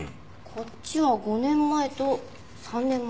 こっちは５年前と３年前。